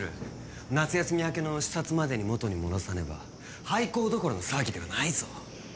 夏休み明けの視察までに元に戻さねば廃校どころの騒ぎではないぞ。